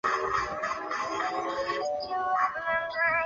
他还担任广州大元帅府顾问。